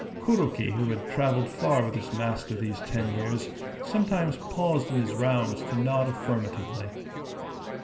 Kuroki, who had travelled far with his master these ten years, sometimes paused in his rounds to nod affirmatively.